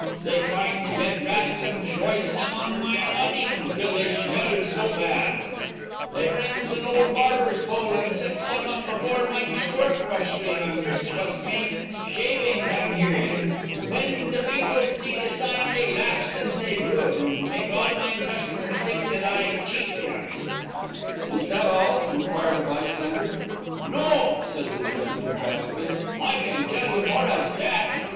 _' Dey finds dead rats, and trovs dem on mine awning till dey shmells so bad; dey brings an old barber's pole, and sets dem up before mine shtore crocery, on vich vas paint, 'shaving done here,' and ven de beeples see de sign, dey laughs and say good, and it make all mine customers dink dat I cheat dem.' "'Is that all?' inquired a bystander. "'No,' said the German, emphatically, 'I can tell you more as dat.'